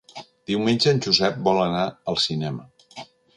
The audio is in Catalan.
Diumenge en Josep vol anar al cinema.